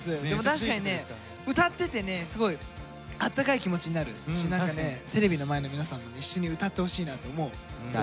でも確かにね歌っててねすごいあったかい気持ちになるしテレビの前の皆さんも一緒に歌ってほしいなって思う。